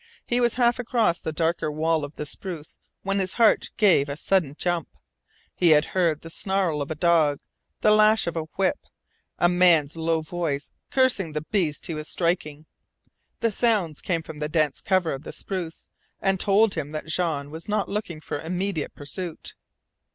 He was half across the darker wall of the spruce when his heart gave a sudden jump. He had heard the snarl of a dog, the lash of a whip, a man's low voice cursing the beast he was striking. The sounds came from the dense cover of the spruce, and told him that Jean was not looking for immediate pursuit.